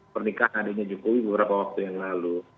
pernikahan adiknya jokowi beberapa waktu yang lalu